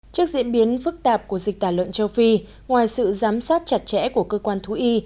trước diễn biến phức tạp của dịch tả lợn châu phi ngoài sự giám sát chặt chẽ của cơ quan thú y